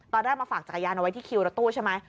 ตอนแรกมาฝากจักรยานเอาไว้ที่คิวรถตู้ใช่ไหม